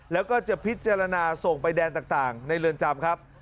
แล้วก็จะพิจารณาส่งไปแดนต่างในเรือนจำครับ